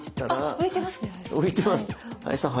あ浮いてますね。